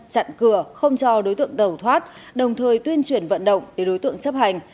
chặn cửa không cho đối tượng đầu thoát đồng thời tuyên truyền vận động để đối tượng chấp hành